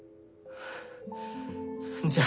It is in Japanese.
じゃあ。